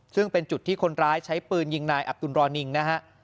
ซึ่งเป็นจุดที่คนร้ายใช้ปืนยิงนายอับตุลรอนิงนะฮะ